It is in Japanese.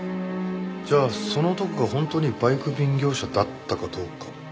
じゃあその男が本当にバイク便業者だったかどうかも。